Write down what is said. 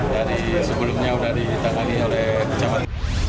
jadi sebelumnya sudah ditangani oleh kecamatan